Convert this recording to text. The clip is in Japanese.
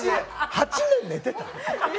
８年、寝てた？